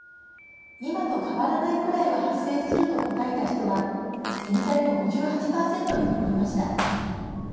「今と変わらないくらいは発生する」と答えた人は全体の５８％に上りました。